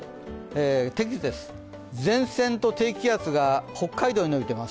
天気図です、前線と低気圧が北海道に伸びています。